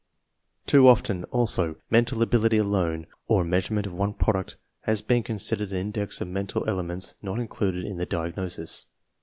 Too often, also, mental ability alone or measurement of one product has been considered an index of mental ele ments not included in the diagnosis.